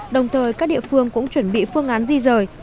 đồng thời các địa phương cũng chuẩn bị phương án di rời